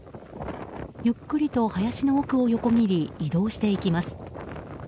ゆっくりと林の奥を横切り移動していきます。